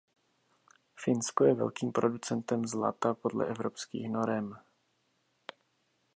Finsko je velkým producentem zlata podle evropských norem.